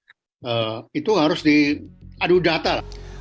kepada kpu kpu dan kpu diperlukan untuk melakukan penyelenggaraan pemilu